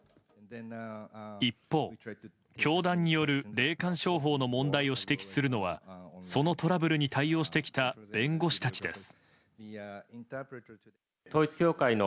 一方、教団による霊感商法の問題を指摘するのはそのトラブルに対応してきた弁護士たちです。